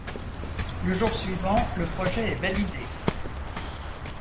Le jour suivant le projet est validé.